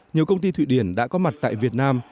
nhiều công ty thụy điển đã có mặt tại việt nam